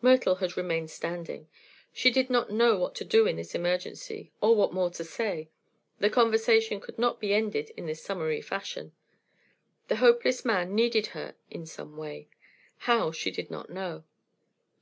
Myrtle had remained standing. She did not know what to do in this emergency, or what more to say. The conversation could not be ended in this summary fashion. The hopeless man needed her in some way; how, she did not know.